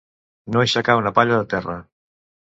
No aixecar una palla de terra.